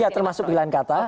ya termasuk pilihan kata